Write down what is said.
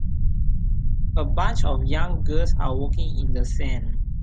A bunch of young girls are walking in the sand.